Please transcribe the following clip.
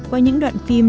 qua những đoạn phim